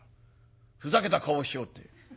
ふざけた顔をしおって。